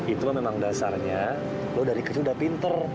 itulah memang dasarnya lo dari kecil udah pinter